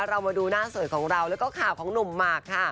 เรามาดูหน้าสวยของเราแล้วก็ข่าวของหนุ่มหมากค่ะ